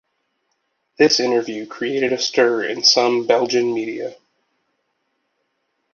This interview created a stir in some Belgian media.